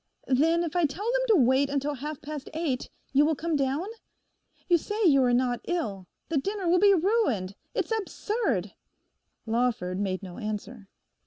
'Then if I tell them to wait until half past eight, you will come down? You say you are not ill: the dinner will be ruined. It's absurd.' Lawford made no answer.